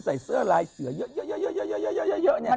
ชุดลายเสือของคุณ